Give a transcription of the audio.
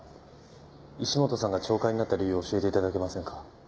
石本さんが懲戒になった理由を教えて頂けませんか？